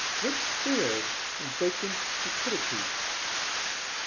Rip stared in vacant stupidity.